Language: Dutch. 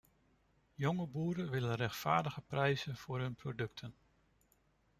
Jonge boeren willen rechtvaardige prijzen voor hun producten.